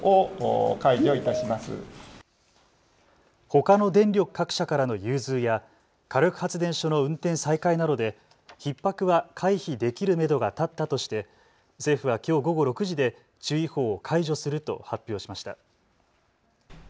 ほかの電力各社からの融通や火力発電所の運転再開などでひっ迫は回避できるめどが立ったとして政府はきょう午後６時で注意報を解除すると発表しました。